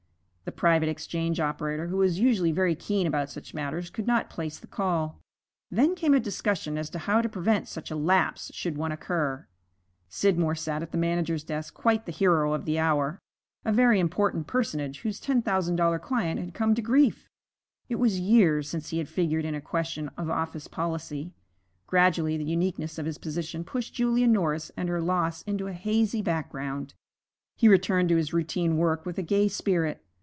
The private exchange operator, who was usually very keen about such matters, could not place the call. Then came a discussion as to how to prevent such a lapse should one occur. Scidmore sat at the manager's desk, quite the hero of the hour a very important personage, whose ten thousand dollar client had come to grief. It was years since he had figured in a question of office policy. Gradually the uniqueness of his position pushed Julia Norris and her loss into a hazy background. He returned to his routine work with a gay spirit.